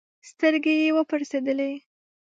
سترګي یې وپړسېدلې